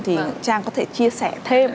thì trang có thể chia sẻ thêm